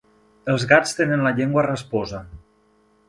Els gats tenen la llengua rasposa.